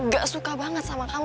gak suka banget sama kamu